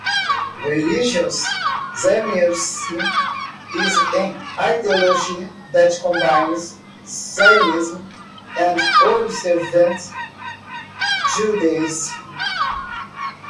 Religious Zionism is an ideology that combines Zionism and observant Judaism.